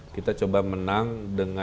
kita coba menang